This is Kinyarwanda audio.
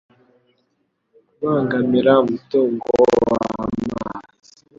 kubangamira umutungo w amazi